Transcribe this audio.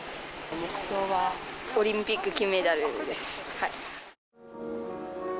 目標はオリンピック金メダルです。